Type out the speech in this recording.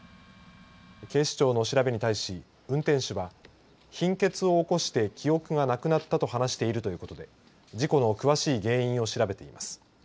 警視庁の調べに対し運転手は貧血を起こして記憶がなくなったと話しているということで事故の詳しい原因を調べています。